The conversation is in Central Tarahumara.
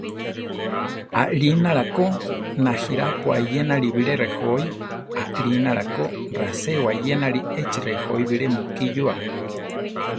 Alinála ko najirápua iyenali bilé rejói; alinála ko raséwa iyenali échi rejói bilé mukí yúa.